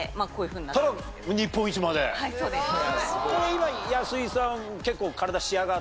今安井さん結構。